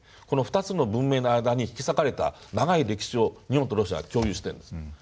この２つの文明の間に引き裂かれた長い歴史を日本とロシアは共有しているんです。